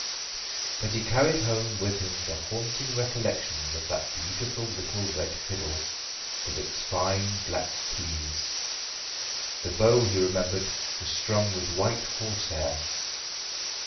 But he carried home with him the haunting recollections of that beautiful little red fiddle, with its fine black keys. The bow, he remembered, was strung with white horsehair.